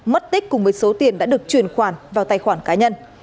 mất tích cùng với số tiền đã được chuyển khoản vào tài khoản cá nhân